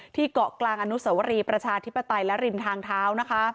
เกาะกลางอนุสวรีประชาธิปไตยและริมทางเท้านะคะ